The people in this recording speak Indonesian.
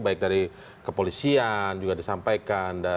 baik dari kepolisian juga disampaikan